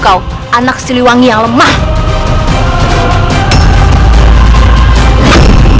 kau tidak hanya mempermalukan nama besar ayahmu